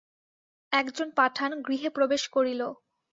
এক জন পাঠান গৃহে প্রবেশ করিল।